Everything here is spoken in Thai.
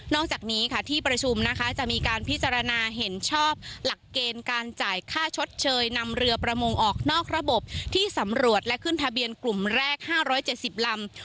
จากนี้ค่ะที่ประชุมนะคะจะมีการพิจารณาเห็นชอบหลักเกณฑ์การจ่ายค่าชดเชยนำเรือประมงออกนอกระบบที่สำรวจและขึ้นทะเบียนกลุ่มแรก๕๗๐ลำ